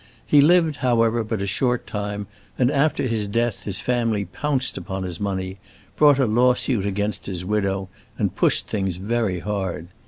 He lived, however, but a short time, and after his death his family pounced upon his money, brought a lawsuit against his widow, and pushed things very hard.